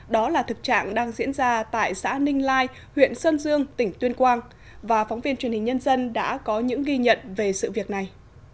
đó là thực trạng đang diễn ra tại xã ninh lai huyện sơn dương tỉnh tuyên quang và phóng viên truyền hình nhân dân đã có những ghi nhận về sự việc này